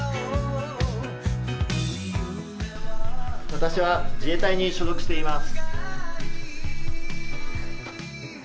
私は自衛隊に所属しています。